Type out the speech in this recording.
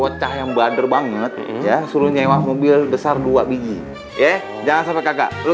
bocah yang bader banget ya suruh nyewa mobil besar dua biji ya jangan sampai kakak lu